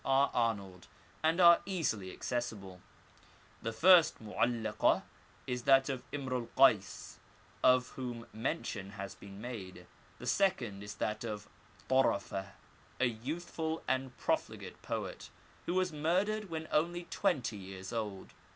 R. Arnold, and are easily accessible. The first Mo'allakah is that of Imr el Kays, of whom mention has been made ; the second is that of Tarafeh, a youthful and profligate poet, who was murdered when only twenty years old.